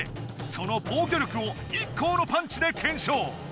その防御力をＩＫＫＯのパンチで検証